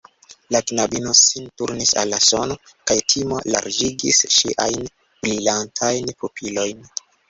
La knabino sin turnis al la sono, kaj timo larĝigis ŝiajn brilantajn pupilojn.